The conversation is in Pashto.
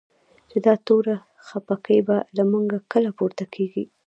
چی دا توره خپکی به؛ له موږ کله پورته کیږی